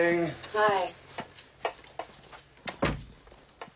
はい。